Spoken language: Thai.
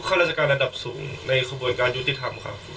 ข้าราชการระดับสูงในขบวนการยุติธรรมครับ